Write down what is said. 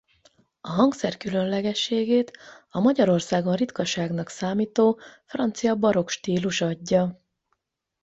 A hangszer különlegességét a Magyarországon ritkaságnak számító francia barokk stílus adja.